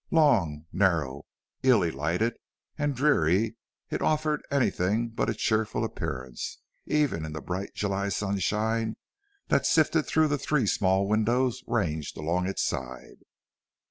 Long, narrow, illy lighted, and dreary, it offered anything but a cheerful appearance, even in the bright July sunshine that sifted through the three small windows ranged along its side.